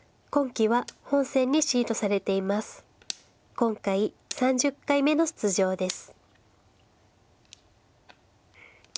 今回３０回目の出場です。